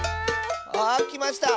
あきました！